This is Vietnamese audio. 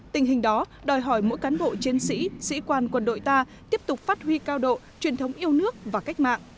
tình hình đó đòi hỏi mỗi cán bộ chiến sĩ sĩ quan quân đội ta tiếp tục phát huy cao độ truyền thống yêu nước và cách mạng